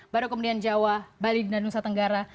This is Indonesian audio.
baru kemudian jawa bali dan nusa tenggara